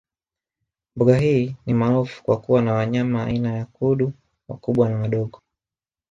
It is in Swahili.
Mbuga hii ni maarufu kwa kuwa na wanyama aina ya Kudu wakubwa na wadogo